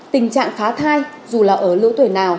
tình trạng khá thai dù là ở lứa tuổi nào